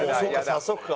早速か。